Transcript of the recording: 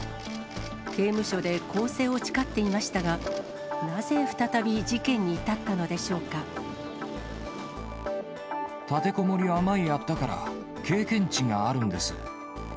刑務所で更生を誓っていましたが、なぜ再び事件に至ったのでしょう立てこもりは前やったから、経験値があるんです。